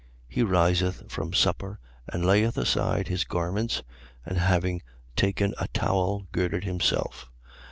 He riseth from supper and layeth aside his garments and, having taken a towel, girded himself.